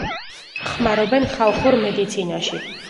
ხმარობდნენ ხალხურ მედიცინაში.